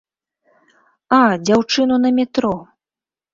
А, дзяўчыну на метро.